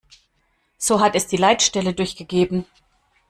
So hat es die Leitstelle durchgegeben.